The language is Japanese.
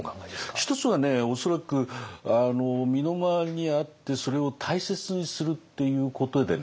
一つはね恐らく身の回りにあってそれを大切にするっていうことでね